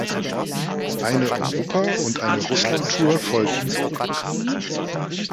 Eine Europa- und eine Russland-Tour folgten.